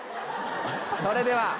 それでは。